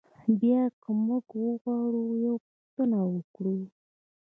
بیا که موږ وغواړو یوه پوښتنه وکړو.